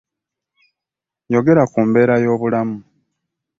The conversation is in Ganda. Yogera ku mbeera y'obulamu.